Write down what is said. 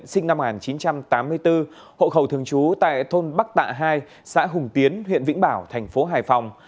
sinh năm một nghìn chín trăm tám mươi bốn hộ khẩu thường trú tại thôn bắc tạ hai xã hùng tiến huyện vĩnh bảo thành phố hải phòng